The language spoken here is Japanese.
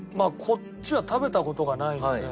こっちは食べた事がないので。